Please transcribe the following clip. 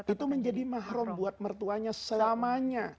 itu menjadi mahrum buat mertuanya selamanya